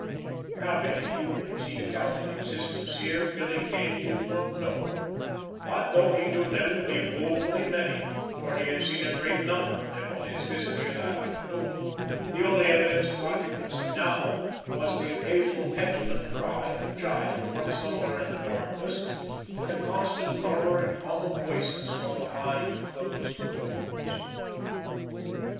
How many humans eked out an existence here Billy Kane did not know; but, though he knew them to be woefully many, for he had seen a great number of them on his visit here that afternoon, the only evidence of occupancy now was the occasional petulant cry of a child from somewhere in the darkness, and a constant murmuring hum of voices from behind closed doors.